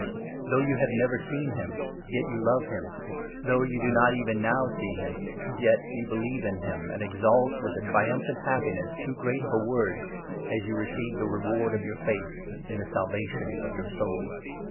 Though you have never seen him, 8 yet you love him ; though you do not even now see him, yet you believe in him, and exult with a triumphant happiness too great for words, as you receive the reward of your faith in 9 the Salvation of your souls